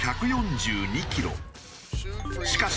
しかし